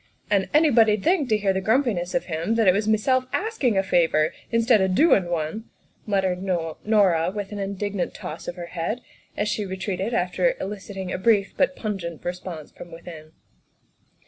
"And anybody 'd think, to hear the grumpiness of him, that it was meself askin' a favor, instid o' doin' one," muttered Norah with an indignant toss of her head as she retreated after eliciting a brief but pungent response from within.